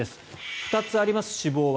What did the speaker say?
２つあります、脂肪は。